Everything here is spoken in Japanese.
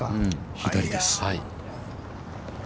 ◆左です。